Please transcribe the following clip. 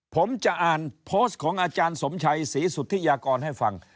ผมจะอ่านโพสต์ของอาจารย์สมชัยศรีสุธิยากรให้ฟัง